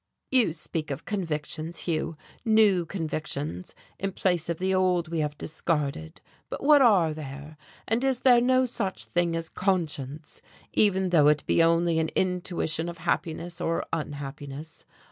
"You speak of convictions, Hugh, new convictions, in place of the old we have discarded. But what are they? And is there no such thing as conscience even though it be only an intuition of happiness or unhappiness?